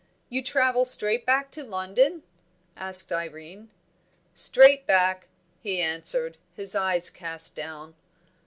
"You travel straight back to London?" asked Irene. "Straight back," he answered, his eyes cast down.